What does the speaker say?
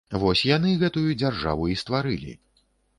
Вось яны гэтую дзяржаву і стварылі.